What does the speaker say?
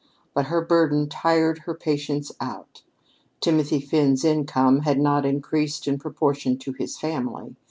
But her burden tired her patience out. Timothy Finn's income had not increased in proportion to his family.